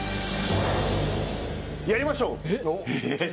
やりましょう！